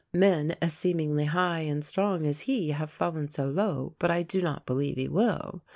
Men as seemingly high and strong as he have fallen so low, but I do not believe he will.